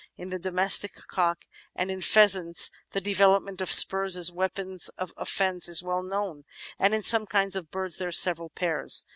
In the domestic cock and in pheasants the de velopment of spurs as weapons of offence is well known, and in some kinds of birds there are several pairs.